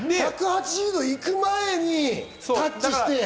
１８０度行く前にタッチして。